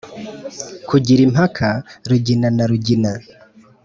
kugira impaka rugina na rugina